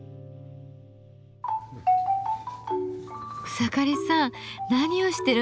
草刈さん何をしてるんですか？